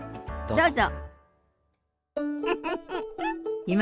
どうぞ。